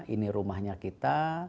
ini rumahnya kita